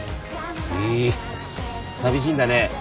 へぇー寂しいんだね。